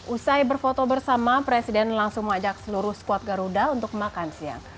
usai berfoto bersama presiden langsung mengajak seluruh squad garuda untuk makan siang